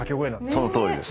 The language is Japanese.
そのとおりです。